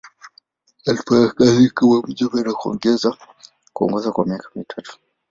Alifanya kazi kama mjumbe na kuongoza kwa miaka mitatu.